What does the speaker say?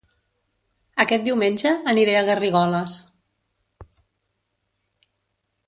Aquest diumenge aniré a Garrigoles